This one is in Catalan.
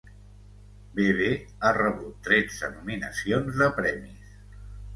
Bebe ha rebut tretze nominacions de premis.